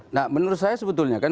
nah menurut saya sebetulnya kan